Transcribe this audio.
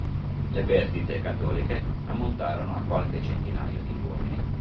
Le perdite cattoliche ammontarono a qualche centinaio di uomini.